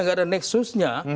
tidak ada nexusnya